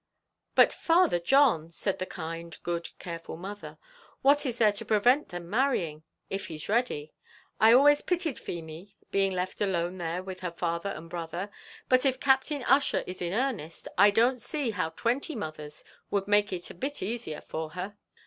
"But, Father John," said the kind, good, careful mother, "what is there to prevent them marrying, if he's ready? I always pitied Feemy being left alone there with her father and brother; but if Captain Ussher is in earnest, I don't see how twenty mothers would make it a bit easier for her."